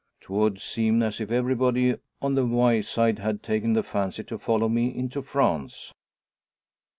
'Twould seem as if everybody on the Wyeside had taken the fancy to follow me into France."